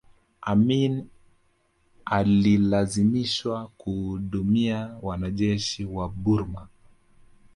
amin alilazimishwa kuhudumia wanajeshi wa burma